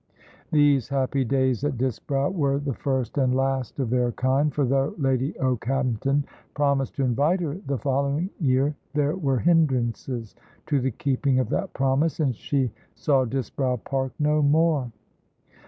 These happy days at Disbrowe were the first and last of their kind, for though Lady Okehampton promised to invite her the following year, there were hindrances to the keeping of that promise, and she saw Disbrowe Park no more.